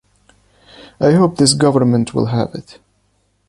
I hope this government will have it.